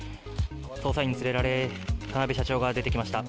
捜査員に連れられ、田辺社長が出てきました。